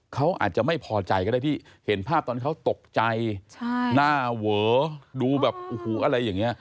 เขาอาจจะไม่พอใจก็ได้ที่เห็นภาพตอนเขาตกใจหน้าเวอดูแบบโอ้โหอะไรอย่างนี้